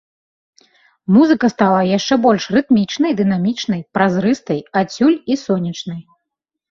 Музыка стала яшчэ больш рытмічнай, дынамічнай, празрыстай, адсюль і сонечнай.